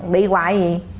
bị quả gì